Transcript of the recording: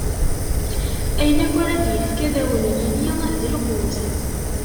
Ayen akk ara d-ifk, ad wen-yili d lqut.